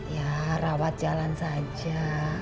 ya rawat jalan saja